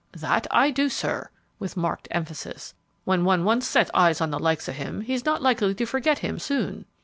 "That I do, sir," with marked emphasis; "when one once sets eyes on the likes o' him, he's not likely to forget him soon."